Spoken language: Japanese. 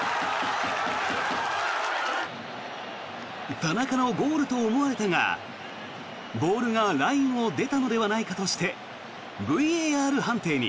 田中のゴールと思われたがボールがラインを出たのではないかとしてＶＡＲ判定に。